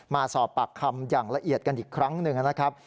มาสอบปากคำอย่างละเอียดกันอีกครั้งหนึ่งนะครับ